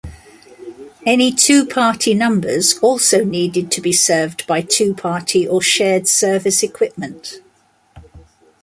Any two-party numbers also needed to be served by two-party or shared service equipment.